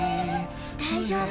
大丈夫。